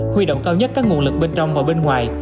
huy động cao nhất các nguồn lực bên trong và bên ngoài